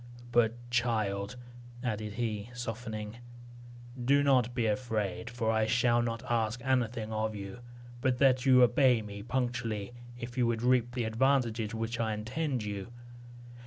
But child," added he, softening, "do not be afraid; for I shall not ask anything of you, but that you obey me punctually, if you would reap the advantages which I intend you.